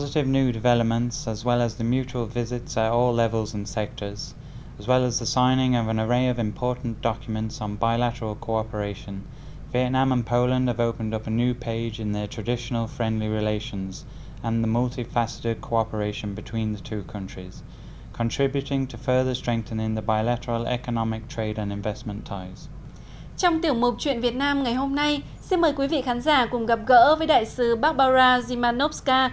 trong tiểu mục chuyện việt nam ngày hôm nay xin mời quý vị khán giả cùng gặp gỡ với đại sứ barbara zimanowska